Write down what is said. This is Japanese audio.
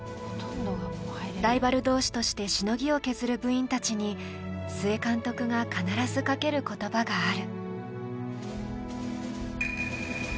ライバル同士としてしのぎを削る部員たちに須江監督が必ずかける言葉がある。